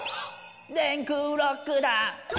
「電空ロックだ」